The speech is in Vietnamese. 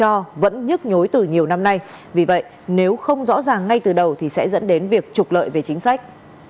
hà nội cho vẫn nhức nhối từ nhiều năm nay vì vậy nếu không rõ ràng ngay từ đầu thì sẽ dẫn đến việc trục lợi về chính sách